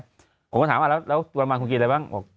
ผมก็ถามว่าแล้ววนลำคืออะไรบ้าง